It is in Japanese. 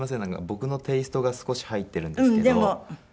僕のテイストが少し入ってるんですけど。